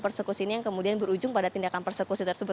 persekusi ini yang kemudian berujung pada tindakan persekusi tersebut